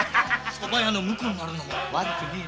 ソバ屋の婿になるのも悪くねぇ。